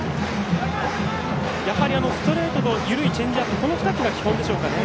やはりストレートと緩いチェンジアップ、この２つが基本でしょうかね。